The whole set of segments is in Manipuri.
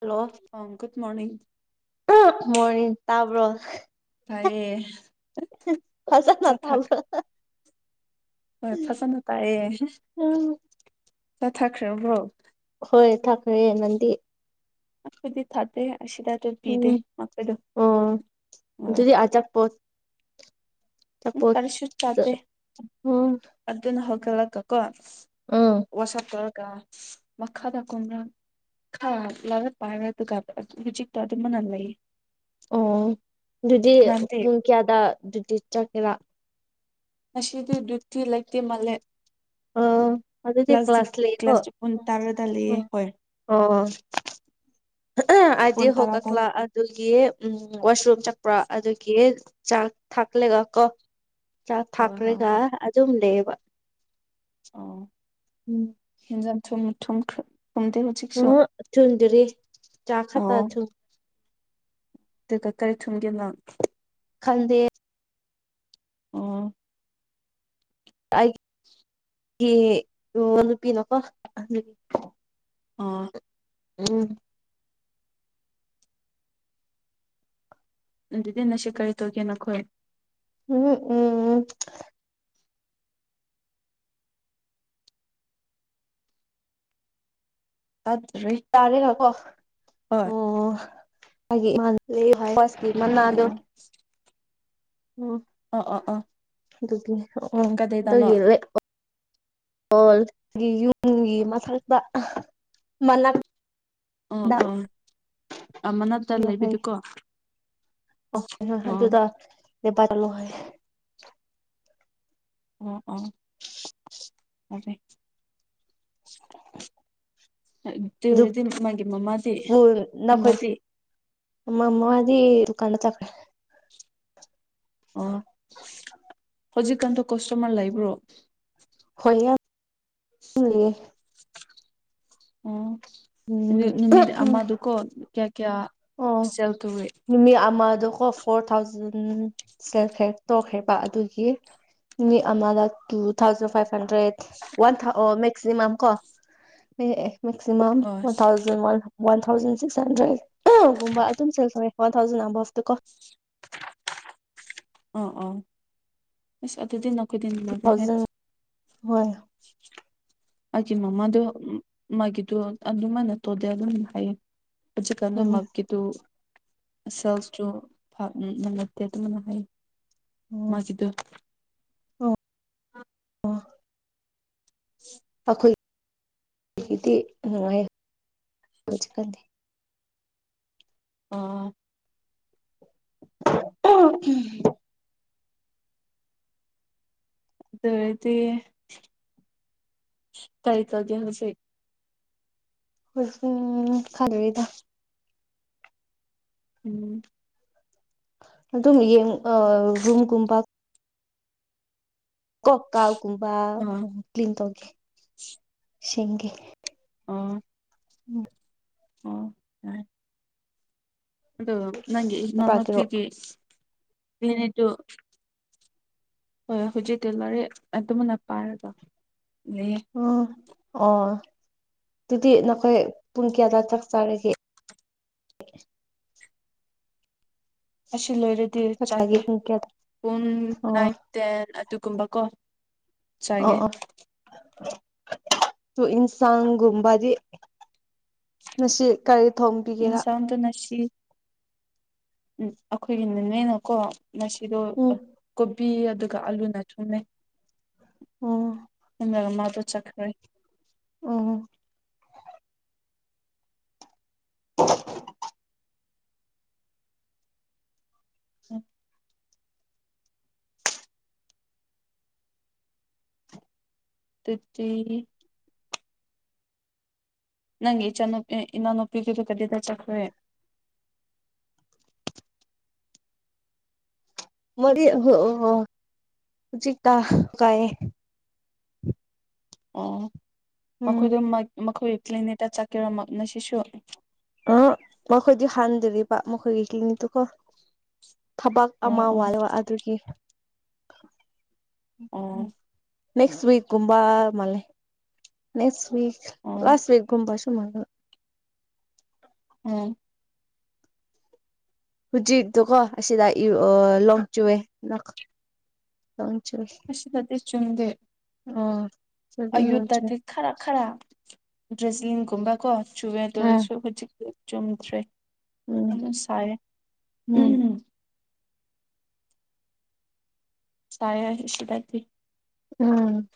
ꯍꯜꯂꯣ ꯑ ꯒꯗ ꯃꯣꯔꯅꯤꯡ ꯃꯅꯤ ꯇꯥꯕ꯭ꯔꯣ ꯇꯥꯏꯌꯦ ꯐꯁꯅ ꯆꯥꯊꯛ ꯇꯥꯕ꯭ꯔꯣ ꯍꯣꯏ ꯐꯖꯅ ꯇꯥꯏꯌꯦ ꯎꯝ ꯆꯠꯊꯈ꯭ꯔꯕ꯭ꯔꯣ ꯍꯣꯏ ꯊꫭꯛꯈꯔꯦ ꯅꯪꯗꯤ ꯑꯈꫭꯏꯗꯤ ꯊꯥꯗꯦ ꯑꯁꯤꯗ ꯑꯗꯨꯝ ꯄꯤꯗꯦ ꯎꯝ ꯉꯄꯗꯣ ꯑꯣ ꯑ ꯄꯣ ꯀꯔꯤꯁꯨ ꯆꯥꯗꯦ ꯎꯝ ꯑꯗꯨꯅ ꯍꯧꯒꯠꯂꯒ ꯀꯣ ꯎꯝ ꯋꯥꯁꯞ ꯇꯧꯔ ꯃꯈꯥꯗ ꯀꯃꯔ ꯍꯥꯥ ꯂꯑ ꯄꯥꯏꯔ ꯆ ꯇꯗ ꯃꯅꯥ ꯂꯌꯦꯦ ꯑꯣ ꯑꯗꯨꯗꯤ ꯅꯪꯗꯤ ꯄꯨꯡ ꯀꯌꯥꯗ ꯑꯗꯨꯗꯤ ꯆꯠꯀꯦꯔꯥ ꯉꯁꯤꯗꯨ ꯊꯤ ꯂꯩꯇꯦ ꯃꯜꯂꯦ [inaudible] ꯑꯗꯨꯗꯤ ꯀ꯭ꯂꯥꯁ ꯂꯩꯀꯣ ꯀ꯭ꯂꯥꯁ ꯇꯥꯔ ꯇꯂꯤꯂꯤꯌꯥ ꯎꯝ ꯍ ꯑꯣ ꯑ ꯑꯗꯨꯗꯤ ꯄꯨꯡ ꯍꯒ ꯇꯔꯥꯗ ꯀ꯭ꯂꯂ ꯑꯗꯨ ꯑꯗꯨꯒꯤ ꯎꯝ ꯋꯥꯁꯔꯨꯝ ꯆꯠꯄ꯭ꯔ ꯑꯗꯨꯒꯤ ꯆꯥꯛ ꯊꯥꯛꯂꯦꯒ ꯀꯣ ꯆꯥꯛ ꯍꯣꯏ ꯍꯣꯏ ꯊꯥꯛꯈ꯭ꯔꯒ ꯑꯗꯨꯝ ꯂꯩꯕ ꯑ ꯎꯝ ꯊꯨꯝ ꯊꯨꯝ ꯊꯝꯗ ꯍꯧ ꯆꯁꯨꯣ ꯎꯝ ꯊꯨꯝꯗ꯭ꯔꯤ ꯆꯥꯛ ꯑ ꯈꯛꯇ ꯊꯨꯝ ꯀꯔꯤ ꯊꯨꯝꯒꯦ ꯅꯪ ꯈꯪꯗꯦ ꯑꯣ ꯀꯥꯏ [inaudible] ꯀ ꯑꯣ ꯅꯨꯄꯤ ꯅꯀꯣ ꯅꯨ ꯑꯣ ꯎꯝ ꯑꯗꯨꯗꯤ ꯅꯁꯤ ꯀꯔꯤ ꯇꯧꯒꯦ ꯅꯈꯣꯏ ꯎꯝ ꯎꯝ ꯎꯝ ꯇꯥꯗ꯭ꯔꯤ ꯌꯥꯥꯔꯦ ꯀꯣ ꯍꯣꯏ ꯑꯣ ꯍꯥꯏ ꯇꯃꯟꯅ ꯑꯗꯨꯣ ꯑꯣ ꯑ ꯑ ꯑ ꯑꯗꯨꯒꯤ ꯑꯣ ꯑꯗꯨ ꯂꯩꯦ ꯌꯨꯝꯒꯤ ꯃꯁꯛꯛꯇ ꯃꯅ ꯑꯣ ꯑꯣ ꯑꯃꯅꯠꯇ ꯂꯩꯕꯤꯗꯨꯀꯣ ꯑ ꯑꯗꯨ ꯑꯗꯨꯗꯦꯄꯥ ꯆꯂꯣ ꯍ ꯎꯝ ꯎꯝ ꯑꯗꯨꯗꯤ ꯑꯗꯨꯦꯔꯗꯤ ꯀ ꯃꯥꯒꯤ ꯃꯃꯥꯗꯤ ꯏꯃꯗꯤ ꯑ ꯃꯃꯗꯤ ꯀꯥꯟꯅ ꯇ ꯑ ꯍꯧꯖꯤꯛꯀꯥꯟꯇ ꯀꯁꯇꯃꯔ ꯂꯩꯕ꯭ꯔꯣ ꯍꯣꯏ ꯌꯥꯝ ꯑꯣ ꯏꯃꯤꯗ ꯎꯝ ꯑꯃꯗꯨꯀꯣ ꯀ ꯀꯌꯥ ꯁꯦꯜ ꯇꯧꯔꯤꯏ ꯀꯣ ꯐꯣꯔ ꯊꯥꯎꯖꯟ ꯁꯦꯜꯈ꯭ꯔꯦ ꯇꯧꯈ꯭ꯔꯦꯕ ꯑꯗꯨꯒꯤ ꯃꯤ ꯑ two thousand five hundred one ꯊ ꯃꯦꯛꯁꯤꯃꯝ ꯀꯣ ꯃꯦꯛꯁꯤꯃꯝ ꯑꯣ one thousand one thousand six hundred ꯑꯒꯨꯝꯕ ꯑꯗꯨꯝꯦꯜ ꯁꯋꯦ ꯋꯥꯟ ꯊꯥꯎꯖꯟ ꯑꯕꯞꯇ ꯀꯣ ꯑ ꯑꯣ ꯑꯗꯨꯗꯤꯤꯟꯈꯣꯏꯗꯤꯤꯟ ꯇꯨ ꯂꯔ ꯍꯥꯏꯦ ꯊꯥꯎꯖꯟ ꯍꯣꯏ ꯑꯩꯒꯤ ꯃꯃꯥꯗꯣ ꯃꯥꯒꯤꯗꯣ ꯑꯗꯨꯃꯥꯏꯅ ꯇꯧꯗꯦ ꯑꯗꯨꯝ ꯍꯥꯏꯌꯦ ꯍꯧꯖꯤ ꯀꯅ ꯎꯝ ꯃꯒꯗꯨ ꯁꯦꯜꯁꯇꯨ ꯅ ꯅꯠꯇꯦ ꯑꯗꯨꯃꯅ ꯍꯥꯏ ꯃꯥꯁꯤꯤꯗ ꯎꯝ [inaudible] ꯑꯣ ꯑꯩꯈꯣꯏꯗꯤ ꯅꯨꯡꯉꯥꯏ ꯑꯥ ꯑꯣ ꯑꯗꯨꯗꯤ ꯀꯔꯤ ꯇꯖꯁꯦ ꯍꯣꯏ ꯎꯝ ꯈꯔꯔꯗ ꯎꯝ ꯑꯗꯨꯝ ꯌꯦ ꯔꯨꯝꯝꯒꯨꯝꯕ ꯀꯣ ꯀꯥꯎꯒꯨꯝꯕ ꯑꯥ ꯎ ꯀ꯭ꯂꯤꯟ ꯇꯧꯒꯦ ꯁꯦꯡꯦ ꯑꯥ ꯎꯝ ꯑꯣ ꯍ ꯑꯗꯨ ꯅꯪꯒꯤ ꯂꯝꯄꯥꯛꯀꯤꯔꯣ ꯃꯃꯄꯤꯒꯤ ꯌꯦꯅꯤꯗꯣ ꯍꯣꯏ ꯍꯧꯖꯤꯛ ꯇꯤꯂꯔꯤ ꯑꯗꯨꯃꯅ ꯄꯥꯏꯔꯒ ꯎꯝ ꯑꯣ ꯑꯗꯨꯗꯤ ꯅꯈꯣꯏ ꯄꯨꯡ ꯀꯌꯥꯗꯋꯥꯏ ꯆꯥꯛ ꯆꯥꯔꯒꯦ ꯁꯤ ꯂꯣꯏꯔꯗꯤ ꯆꯥꯀꯦ ꯆꯥꯛꯆꯥꯒꯦ ꯄꯨꯡ ꯀꯌꯥꯗ ꯄꯨꯡ ꯑꯣ ꯅꯥꯏꯟ ꯇꯦꯟ ꯑꯗꯨꯒꯨꯝꯕꯀꯣ ꯑꯣ ꯆꯥꯒꯦ ꯑꯣ ꯇꯨ ꯏꯟꯁꯥꯡꯒꯨꯝꯕꯥꯗꯤ ꯅꯁꯤ ꯀ ꯏꯟꯁꯥꯡꯗꯨꯅꯁꯤ ꯑꯝ ꯑꯩꯈꯣꯏꯒꯤꯅꯅꯦꯅꯀꯣ ꯉꯁꯤꯗꯣ ꯎꯝ ꯀꯣꯕꯤ ꯑꯗꯨꯒ ꯑꯂꯨꯅ ꯆꯨꯝꯃꯦ ꯑꯣ ꯅ ꯃꯃ ꯗꯣ ꯆꯈ꯭ꯔꯦ ꯑꯣ ꯎꯝ ꯇꯨꯠꯇꯤ ꯅꯪꯒꯤ ꯏꯆꯥꯅꯨꯞ ꯑꯦ ꯏꯅꯥꯎ ꯅꯨꯄꯤꯒꯗꯨ ꯀꯗꯤꯗ ꯆꯈ꯭ꯔꯦ ꯃꯔꯤ ꯍ ꯍꯍꯧꯖꯤ ꯇ ꯀꯥꯏ ꯑꯣ ꯎꯝ ꯃꯈꯣꯏꯗꯣ ꯃꯈꯣꯏ ꯀ꯭ꯂꯤꯅꯤꯛꯇ ꯆꯠꯀꯦꯔꯝꯃꯛꯅꯦ ꯁꯤꯁꯨ ꯑ ꯃꯈꯣꯏꯗꯤ ꯍꯥꯟꯗꯔꯤ ꯄ ꯃꯈꯣꯏꯒꯤ ꯀ꯭ꯂꯤꯅꯣꯛꯗꯨꯨꯀꯣ ꯊꯕꯛ ꯑꯣ ꯑꯃ ꯑꯣ ꯋꯥꯠꯂ ꯑꯗꯨꯒꯤ ꯑꯣ ꯅꯦꯛꯁꯤꯛꯒꯨꯝꯕ ꯃꯥꯜꯂꯦ ꯅꯦꯁꯋꯤꯛ ꯑꯣ ꯂꯥꯁꯋꯤꯛꯒꯨꯝꯕ ꯁꯨꯃꯥꯡꯒ ꯎꯝ ꯍꯧꯖꯤꯛꯇꯨꯀꯣ ꯑꯁꯤꯗ ꯌꯨ ꯂꯣꯡ ꯆꯨꯑꯦ ꯅꯛ ꯅꯣꯡꯆꯨꯏ ꯑꯁꯤꯗꯗꯤ ꯆꯨꯝꯗꯦ ꯑꯣ ꯑꯌꯨꯠꯇꯗꯤ ꯈꯔ ꯈꯔ ꯗ꯭ꯔꯦꯁꯂꯤꯟꯒꯨꯝꯕ ꯀꯣ ꯆꯨꯋꯦꯗꯧꯔ ꯎꯝ ꯁ ꯍꯧꯖꯤꯛ ꯆꯨꯝꯗ꯭ꯔꯦ ꯎꯝ ꯍꯣ ꯆꯥꯏꯦ ꯎꯝ ꯎꯝ ꯁꯥꯏꯌꯦ ꯁꯗꯥꯗꯤ ꯎꯝ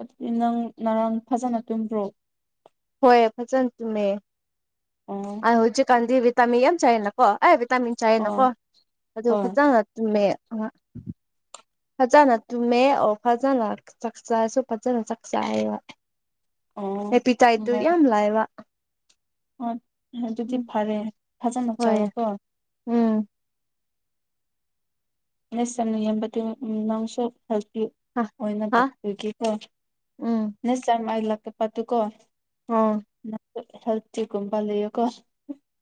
ꯑꯗꯨꯗꯤ ꯅꯪ ꯉꯔꯥꯡ ꯐꯖꯅ ꯇꯨꯝꯕ꯭ꯔꯣ ꯍꯣꯏ ꯐꯖꯟꯃꯦ ꯇꯨꯝꯃꯦ ꯑꯣ ꯑꯩ ꯍꯧꯖꯤꯛ ꯀꯥꯟꯗꯤ ꯇꯥꯃꯤ ꯌꯥꯝ ꯆꯥꯏꯌꯦꯅꯀꯣ ꯍꯥꯏ ꯍꯥꯏꯕꯦꯠ ꯇꯥꯃꯤꯟ ꯆꯥꯏꯌꯦꯅꯀꯣ ꯑꯣ ꯑꯗꯨ ꯍꯣꯏ ꯐꯖꯅ ꯇꯨꯝꯃꯦ ꯑ ꯐꯖꯅ ꯇꯨꯝꯃꯦ ꯑꯣꯔ ꯐꯖꯅ ꯆꯥꯛꯆꯥꯁꯨ ꯐꯖꯅ ꯆꯥꯛ ꯆꯥꯏꯕ ꯑꯣ ꯍꯦꯄꯤꯇꯥꯏꯠꯇꯨ ꯌꯥꯝ ꯂꯥꯏꯑꯕ ꯑ ꯑꯗꯨꯗꯤ ꯐꯔꯦ ꯐꯖꯅ ꯍꯣꯏ ꯆꯥꯔꯣ ꯀꯣ ꯎꯝ ꯌꯦꯁꯁꯥ ꯅꯌꯥꯝꯕꯗꯨ ꯅꯪꯁꯨ ꯍꯦꯜꯊꯤ ꯍꯥ ꯑꯣꯏꯅ ꯍꯥ ꯂꯥꯛꯄꯒꯦꯀꯣ ꯎꯝ ꯅꯁ ꯆꯔ ꯑꯥꯏ ꯂꯥꯛꯄꯄ ꯑꯗꯨ ꯀꯣ ꯎꯝ ꯍꯦꯜꯇꯤ ꯒꯨꯝꯕ ꯂꯩꯌꯣ ꯀꯣ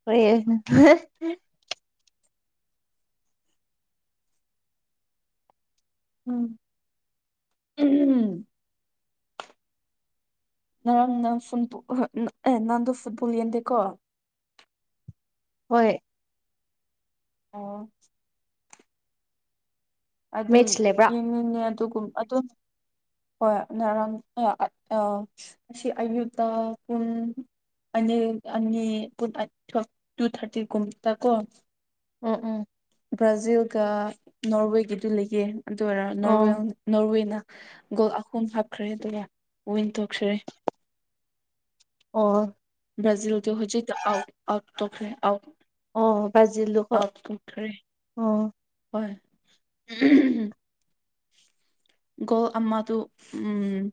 ꯄꯦꯟꯅ ꯎꯝ ꯎꯝꯍꯝ ꯑꯟꯑꯣꯗꯤꯕꯜ ꯅꯔꯥꯡ ꯅ ꯑꯦ ꯅꯪꯗꯣ ꯐꯨꯠꯕꯣꯜ ꯌꯦꯟꯗꯦꯀꯣ ꯍꯣꯏ ꯑꯣ ꯑꯗꯤ ꯃꯦꯠꯁ ꯂꯩꯕ꯭ꯔꯥ ꯌꯦꯡꯅꯤꯡꯉꯦ ꯑꯗꯨꯒꯨꯝ ꯍꯣꯏꯅꯔꯝ ꯑ ꯑꯁꯤ ꯑꯌꯨꯛꯇ ꯄꯨꯡ ꯑꯅꯤ ꯑꯅꯤ ꯇꯨ ꯊꯥꯔꯇꯤ ꯀꯨꯝꯨꯝ ꯇ ꯀꯣ ꯎꯝ ꯎꯝ ꯕ꯭ꯔꯥꯖꯤꯜꯒ ꯅꯣꯔꯋꯦꯒꯤꯗꯨ ꯂꯩꯌꯦ ꯑꯗꯨ ꯑꯣꯏꯔꯣ ꯅꯣꯔꯋꯦꯜ ꯑꯣ ꯅꯣꯔꯋꯦꯅ ꯒꯣꯜ ꯑꯍꯨꯝ ꯍꯥꯞꯈ꯭ꯔꯦ ꯑꯗꯨꯒ ꯋꯤꯟ ꯇꯧꯈ꯭ꯔꯦ ꯑꯣ ꯕ꯭ꯔꯥꯖꯤꯜꯗ ꯍꯧꯖꯤ ꯇꯈ꯭ꯔꯦꯥꯎ ꯑꯣ ꯖꯤ ꯂꯨꯀ ꯑꯣ [inaudible] ꯒꯣꯂ ꯑꯃ ꯗꯨ ꯎꯝ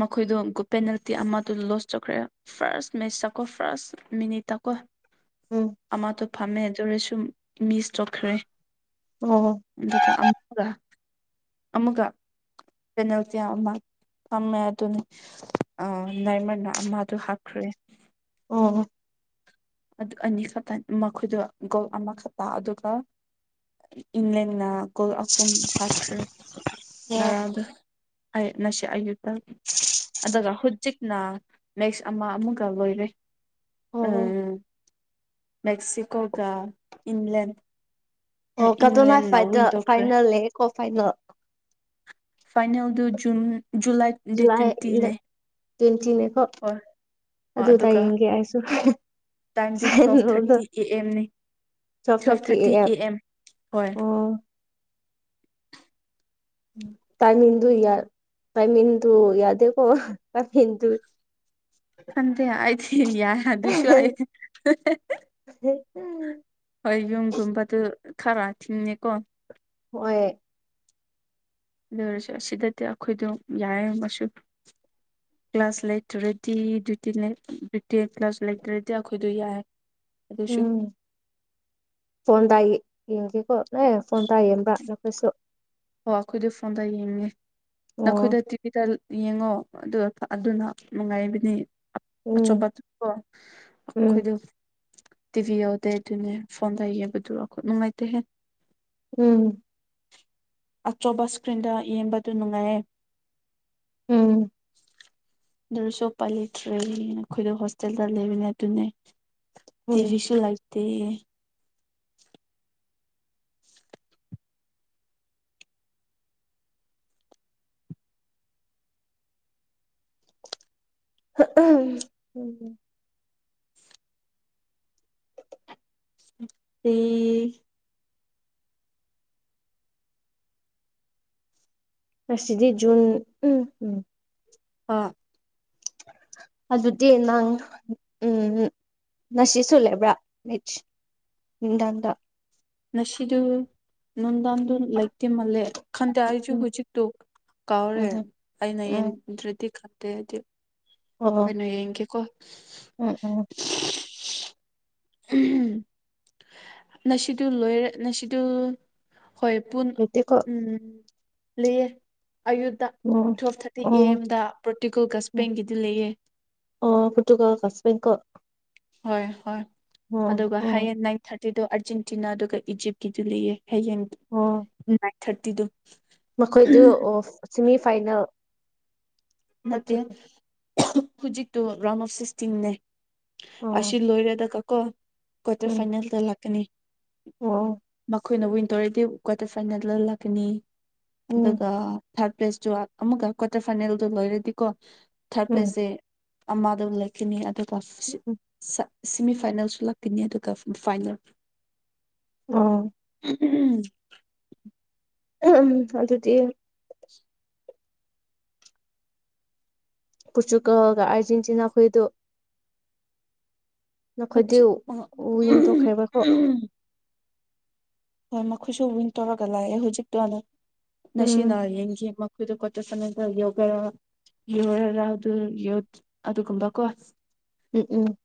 ꯃꯈꯣꯏꯗꯣ ꯄꯦꯅꯥꯜꯇꯤ ꯑꯃꯗ ꯂꯣꯁ ꯇꯧꯈ꯭ꯔꯦ ꯐꯥꯔꯁ ꯃꯦꯁ ꯇꯀꯣ ꯐꯥꯔꯁ ꯃꯤꯅꯤꯠ ꯇꯀꯣ ꯎꯝ ꯑꯃꯇꯣ ꯐꯝꯃꯦ ꯑꯗꯨꯣꯔꯦꯁꯨꯨꯝ ꯃꯤꯁ ꯇꯧꯈ꯭ꯔꯦ ꯑꯣ ꯑꯗꯨꯗ ꯑꯃꯒꯥ ꯑꯃꯒꯥ ꯀꯔꯤꯅꯣ ꯇꯤꯌ ꯑꯃꯥ ꯑꯃꯃ ꯑꯗꯨꯅꯤ ꯑ ꯅꯥꯏꯃꯅ ꯑꯃꯗꯨ ꯍꯥꯞꯈ꯭ꯔꯦ ꯑꯣꯝ ꯑꯅꯤꯈꯛꯇ ꯃꯈꯣꯏꯗ ꯒꯣꯜ ꯑꯃꯈꯛꯇ ꯑꯗꯨꯒ ꯏꯪꯂ꯭ꯂꯗꯅ ꯀꯨꯜ ꯑꯍꯨꯝ ꯍꯥꯞꯈ꯭ꯔꯦꯔꯥꯡꯗ ꯉ ꯑꯌꯨꯛ ꯑꯗꯨꯒ ꯍꯧꯨꯖꯤꯛꯅ ꯃꯦꯛꯁ ꯑꯃ ꯑꯃꯒ ꯂꯣꯏꯔꯦ ꯑꯣ ꯎꯝ ꯃꯦꯦꯛꯁꯤꯀꯣꯒ ꯏꯪꯂꯂꯗ ꯑꯣ ꯀꯇꯣꯅꯥ ꯐꯥꯏꯅꯦꯜꯦ ꯀꯣ ꯐꯥꯏꯅꯦꯜ ꯐꯥꯏꯅꯦꯜꯗꯨ ꯖꯨꯟ ꯖꯨꯂꯥꯏ ꯗꯦꯠ ꯖꯨꯂꯥꯏ ꯇ꯭ꯋꯦꯟꯇꯤꯅꯦ ꯇ꯭ꯋꯦꯟꯇꯤꯅꯦꯀꯣ ꯍꯣꯏ ꯍꯣꯏ ꯑꯗꯨ ꯇ ꯑꯗꯨꯒ ꯌꯦꯡꯒꯦ ꯑꯩꯁꯨ ꯇꯥꯏꯝꯗꯤ ꯇꯨꯋꯜꯐ ꯀꯩꯅꯣꯗ ꯊꯥꯔꯇꯤ ꯑꯦ ꯑꯦꯝꯅꯤ ꯇꯨꯋꯦꯜꯐ ꯊꯥꯔꯇꯤ ꯑꯦ ꯑꯦꯝ ꯍꯣꯏ ꯑꯣ ꯇꯥꯏ ꯃꯤꯗꯨꯨ ꯌꯥꯔ ꯀꯃꯤ ꯇ ꯌꯥꯗꯦ ꯀꯣ ꯀꯃꯤꯗꯨ ꯈꯟꯗꯦ ꯍꯥꯏꯥꯏ ꯊ ꯌꯥꯏ ꯑꯗꯨ ꯑꯗꯨꯁꯨꯨ ꯍꯥꯏ ꯎꯝ ꯍꯣꯏ ꯌꯨꯝꯒꯨꯝꯕꯗꯨ ꯈꯔ ꯊꯤꯡꯉꯦꯀꯣ ꯍꯣꯏ ꯑꯗꯨ ꯑꯣꯏꯔꯁꯨ ꯑꯁꯤꯗꯗꯤ ꯑꯩꯈꯣꯏꯗꯣ ꯌꯥꯔꯝ ꯑꯃꯁꯁꯨ ꯀ꯭ꯂꯥꯁ ꯂꯩꯇ꯭ꯔꯗꯤ ꯗ꯭ꯌꯨꯇꯤ ꯂꯩ ꯗ꯭ꯌꯨꯇꯤ ꯀ꯭ꯂꯥꯁ ꯂꯩꯇ꯭ꯔꯗꯤ ꯑꯩꯈꯣꯏꯗꯣ ꯌꯥꯏ ꯑꯗꯨꯁꯨ ꯎꯝ ꯐꯣꯟꯟꯒꯤ ꯌꯦꯡꯦꯀꯣ ꯑꯦ ꯐꯣꯟ ꯇꯥꯏ ꯌꯦꯡꯕ꯭ꯔ ꯅꯈꯣꯏꯁꯨ ꯑꯣ ꯑꯩꯈꯣꯏꯗꯤ ꯐꯣꯟꯗ ꯌꯦꯡꯉꯦ ꯑꯣ ꯅꯈꯣꯏꯗ ꯇꯤꯚꯗ ꯌꯦꯡꯉꯣ ꯑꯗꯨ ꯑꯗꯨꯅ ꯅꯨꯡꯉꯥꯏꯕꯅꯤ ꯑꯆꯧꯕ ꯎꯝ ꯎꯝ ꯀꯣꯈꯣꯏꯗ ꯇꯤꯚꯤ ꯌꯥꯎꯗꯦ ꯑꯗꯨꯅꯦ ꯐꯣꯟꯗ ꯌꯦꯡꯕꯗꯨꯈ ꯅꯨꯡꯉꯥꯏꯇꯦꯍꯦ ꯎꯝ ꯑꯆꯧꯕ ꯏꯁꯀ꯭ꯔꯤꯟꯗ ꯌꯦꯡꯕꯗꯨ ꯅꯨꯡꯉꯥꯏꯌꯦ ꯎꯝ ꯑꯗꯨꯁꯨꯣꯛꯄ ꯂꯩꯇ꯭ꯔꯦ ꯑꯩꯈꯣꯏꯗ ꯍꯣꯁꯇꯦꯜꯗ ꯂꯩꯕꯅꯦ ꯑꯗꯨꯅꯦ ꯎꯝ ꯇꯤꯚꯤ ꯁꯣ ꯂꯥꯛꯇ ꯎꯝ ꯇ ꯑꯁꯗꯤ ꯖꯨꯟ ꯎꯝ ꯎꯝ ꯍꯥ ꯑꯗꯨꯗꯤ ꯅꯪ ꯎꯝ ꯅꯁꯤꯁꯨ ꯂꯩꯦꯕ꯭ꯔ ꯗꯥꯗ ꯉꯁꯤꯗꯨ ꯅꯨꯡꯗꯥꯡꯗꯨ ꯂꯩꯇꯦ ꯃꯥꯜꯂꯦ ꯈꯟꯗꯦ ꯑꯩꯁꯨ ꯎꯝ ꯍꯧꯖꯤꯛꯇꯨ ꯀꯥꯎꯔꯦ ꯎꯝ ꯑꯩꯅ ꯎꯝ ꯌꯦꯡꯗ꯭ꯔꯗꯤ ꯈꯠꯇꯦ ꯍꯥꯏꯗꯤ ꯑꯣ ꯑꯩꯅ ꯌꯦꯡꯒꯦꯀꯣ ꯎꯝ ꯎꯝ [inaudible] ꯅꯁꯤꯗꯨ ꯂꯣꯏꯔꯦ ꯅꯁꯤꯗꯨ ꯍꯣꯏ ꯄꯨꯟ ꯂꯩꯇꯦꯀꯣ ꯎꯝ ꯂꯩꯌꯦ ꯑꯌꯨꯛꯇ ꯎꯝ ꯇꯨꯌꯦꯞ ꯊꯥꯔꯇꯤ ꯑꯦ ꯎꯝ ꯑꯦꯝꯗ ꯄ꯭ꯔꯣꯇꯤꯀꯜ ꯒꯁꯄꯦꯡꯒꯤꯗꯤ ꯂꯩꯑꯦ ꯑꯣ ꯄꯨꯇꯀꯣ ꯀꯥꯁꯕ ꯀꯣ ꯍꯣꯏ ꯍꯣꯏ ꯎꯝ ꯑꯗꯨꯒ ꯎꯝ ꯍꯥꯏꯌꯦꯡ ꯅꯥꯏꯟ ꯊꯥꯔꯇꯤꯗꯣ ꯑꯥꯔꯖꯦꯟꯇꯤꯅꯥ ꯑꯗꯨꯒ ꯏꯖꯤꯞꯀꯤꯗꯤ ꯂꯩꯌꯦ ꯍꯌꯦꯌꯦꯡ ꯑꯣ ꯅꯥꯏꯟ ꯊꯥꯔꯇꯤꯗꯨꯣ ꯃꯈꯣꯏꯗꯨ ꯑꯣ ꯁꯤꯦꯃꯤꯐꯥꯏꯅꯦꯜ ꯃꯦ ꯍꯖꯤꯛꯇ ꯇꯣ ꯔꯥꯎꯟ ꯑꯣꯐ ꯁꯤꯁꯇꯤꯅꯦ ꯑꯁꯤ ꯎꯝ ꯂꯣꯏꯔꯗ ꯀꯀꯣ ꯀ꯭ꯋꯥꯔꯇꯔ ꯐꯥꯏꯅꯦꯜꯗ ꯂꯥꯛꯀꯅꯤ ꯎꯝ ꯑꯩꯈꯣꯏꯅ ꯋꯤꯟꯇꯔꯗꯤ ꯀ꯭ꯋꯥꯇꯔ ꯐꯥꯏꯅꯦꯜꯗ ꯂꯥꯛꯀꯅꯤ ꯎꯝ ꯑꯗꯨꯒ ꯊꯥꯔꯠ ꯄ꯭ꯂꯦꯁꯇꯨ ꯑꯃꯒ ꯀ꯭ꯋꯥꯇꯔ ꯐꯥꯏꯅꯦꯜꯗꯣ ꯂꯣꯏꯔꯗꯤꯀꯣ ꯊꯥꯔꯠ ꯎꯝ ꯄ꯭ꯂꯦꯁꯁꯦ ꯑꯃꯗ ꯂꯩꯈꯤꯅꯤ ꯑꯗꯨꯒ ꯁꯤꯦꯃꯤꯐꯥꯏꯅꯦꯜꯁꯨ ꯂꯥꯛꯀꯅꯤ ꯑꯗꯨꯒ ꯐꯥꯏꯅꯦꯜ ꯑꯥ ꯎꯝ ꯎꯝ ꯑꯗꯨꯗꯤ ꯄꯨꯆꯨꯀꯜꯒ ꯑꯔꯖꯦꯟꯇꯤꯅꯥ ꯍꯣꯏꯗꯨ ꯅꯈꯣꯏꯗꯤ ꯋꯤꯟ ꯇꯧꯈ꯭ꯔꯦꯕꯀꯣ ꯍꯣꯏ ꯃꯈꯣꯏꯁꯨ ꯋꯤꯟ ꯇꯧꯔꯒ ꯂꯥꯛꯑꯦ ꯍꯧꯖꯤꯛꯇꯣꯅ ꯎꯝ ꯉꯁꯤꯅ ꯌꯦꯡ ꯌꯦ ꯑꯩꯣꯏꯗ ꯀꯠꯇ ꯁ ꯆ ꯌꯒ ꯌꯧꯔꯥꯎ ꯑꯗꯨ ꯌꯧꯗ ꯑꯗꯨ ꯀꯝꯕ ꯀꯣ ꯎꯝ ꯎꯝ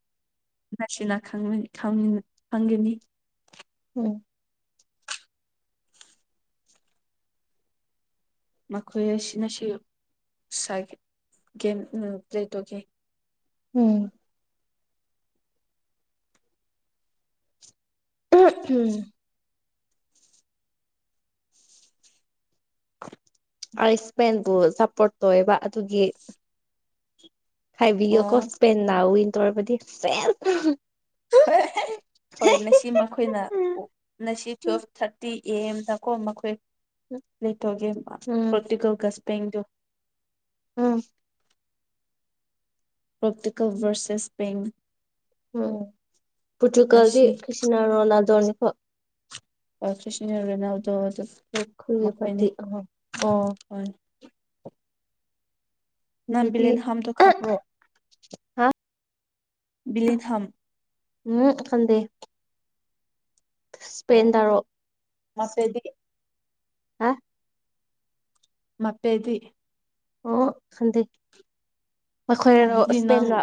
ꯅꯁꯤꯅꯥ ꯈꯪꯒꯅꯤ ꯎꯝ ꯃꯈꯣꯏ ꯑꯁꯤꯅꯁꯨ ꯁꯥꯏ ꯒꯦꯝ ꯎ ꯄ꯭ꯂꯦ ꯇꯧꯒꯦ ꯎꯝ ꯎꯝ ꯎꯝ ꯑꯌꯨꯁꯃꯦꯟꯕꯨ ꯁꯞꯄꯣꯔꯠ ꯇꯧꯋꯦꯕ ꯑꯗꯨꯒꯤ ꯍꯥꯏꯕꯤ ꯑ ꯑꯣ ꯀꯣꯁ ꯐꯦꯟ ꯅ ꯎꯋꯟꯇꯔꯕꯗꯤ ꯐꯦꯟ ꯍꯣꯏ ꯉꯁꯤ ꯃꯈꯣꯏꯅ ꯎꯝ ꯉꯁꯤ ꯇꯨꯋꯦꯜꯐ ꯊꯥꯔꯇꯤ ꯑꯦꯝꯗꯀꯣ ꯃꯈꯣꯏ ꯂꯩꯊꯒꯦ ꯎꯝ ꯄꯇꯤꯀ ꯇꯗꯣ ꯎꯝ ꯄꯇꯀꯣꯚꯔꯁꯦꯁ ꯁꯄꯦꯟ ꯎꯝ ꯄꯨꯇꯨꯀꯜꯗꯤ ꯉꯁꯤ ꯀ꯭ꯁꯅꯅꯗꯧꯅꯤꯀꯣ ꯍ ꯀ꯭ꯁꯅꯒꯅꯗꯣ ꯑꯗꯨ ꯑꯩꯈꯣꯏꯒꯤ ꯃꯈꯄꯤꯅꯦ ꯄꯥꯔꯇꯤ ꯑꯍꯣꯏ ꯑꯣ ꯍ [unintelligible] ꯑꯗꯨꯗꯤ ꯅꯥꯝꯕꯤꯂꯦꯟ ꯍꯥꯝꯗꯣ ꯈꯝ꯭ꯔꯣ ꯍꯥ ꯕꯤꯂꯦꯟ ꯍꯝ ꯎꯝ ꯐꯟꯗꯦ ꯎꯝ ꯃꯥꯁꯦꯗꯤ ꯍꯥ ꯃꯄꯦꯗꯤ ꯑꯣꯟꯗ ꯃꯈꯣꯏ ꯑꯗꯨꯗꯤ ꯅꯪ ꯏꯁꯄꯦꯟꯗ